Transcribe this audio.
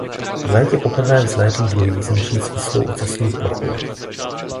V létě poprvé vzlétl druhý s nižší svislou ocasní plochou.